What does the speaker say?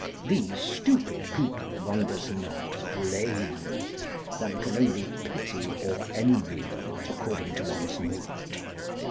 These stupid people one does not blame, one can only pity or envy them according to one's mood.